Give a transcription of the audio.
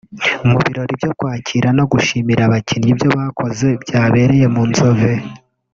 Mu birori byo kwakira no gushimira abakinnyi ibyo bakoze byabereye mu Nzove